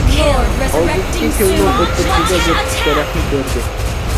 ئالدىدىكى كۆلنىڭ ئوتتۇرىسىدا بىر تۈپ دەرەخنى كۆردى.